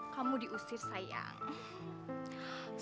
kamu diusir sayang